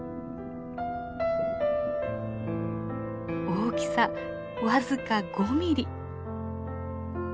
大きさ僅か５ミリ。